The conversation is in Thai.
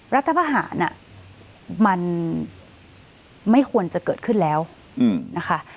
รัฐภาษณ์อะมันไม่ควรจะเกิดขึ้นแล้วอืมนะคะ